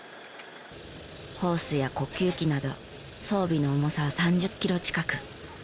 ホースや呼吸器など装備の重さは３０キロ近く。